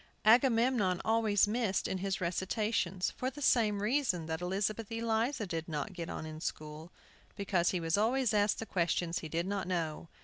Agamemnon always missed in his recitations, for the same reason that Elizabeth Eliza did not get on in school, because he was always asked the questions he did not know.